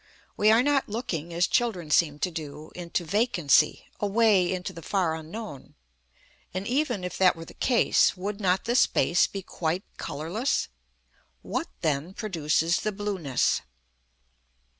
We are not looking, as children seem to do, into vacancy, away into the far unknown. And even, if that were the case, would not the space be quite colourless? What, then, produces the blueness?